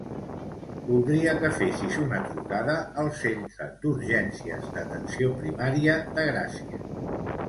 Voldria que fessis una trucada al centre d'urgències d'atenció primària de Gràcia.